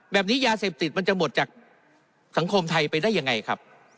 แบบนี้ยาเสพติดมันจะหมดจากสังคมไทยไปได้ยังไงครับ